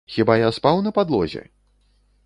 Хіба я спаў на падлозе?